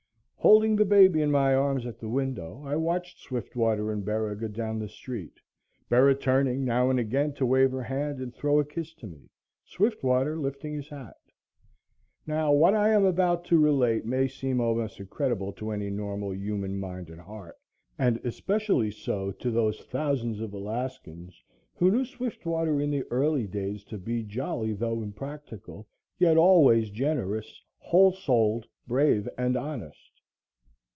Holding the baby in my arms at the window, I watched Swiftwater and Bera go down the street, Bera turning now and again to wave her hand and throw a kiss to me, Swiftwater lifting his hat. Now, what I am about to relate may seem almost incredible to any normal human mind and heart; and especially so to those thousands of Alaskans who knew Swiftwater in the early days to be jolly, though impractical, yet always generous, whole souled, brave and honest.